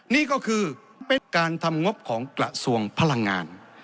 นี่ก็คือเป็นการทำงบของกระทรวงพลังงาน